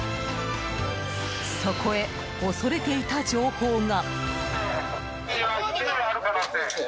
そこへ、恐れていた情報が。